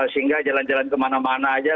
sehingga jalan jalan kemana mana aja